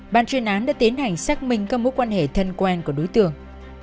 ban truyền án đã tiến hành xác minh các mối quan hệ thân quan của đối tượng